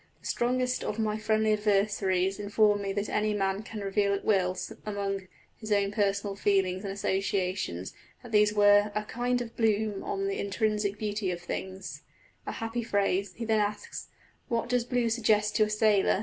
The strongest of my friendly adversaries informed me that any man can revel at will among his own personal feelings and associations; that these were a "kind of bloom on the intrinsic beauty of things" a happy phrase! He then asks: "What does blue suggest to a sailor?